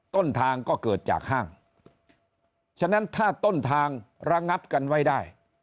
ต้นทางก็เกิดจากห้างฉะนั้นถ้าต้นทางระงับกันไว้ได้